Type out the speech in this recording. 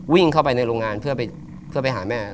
วิ่งเข้าไปในโรงงานเพื่อไปหาแม่